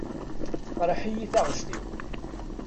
Teqreḥ-iyi taɣect-iw.